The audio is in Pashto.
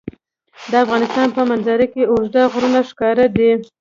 د افغانستان په منظره کې اوږده غرونه ښکاره ده.